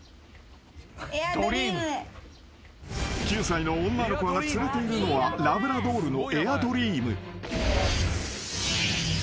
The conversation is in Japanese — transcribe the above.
［９歳の女の子が連れているのはラブラドルのエア・ドリーム］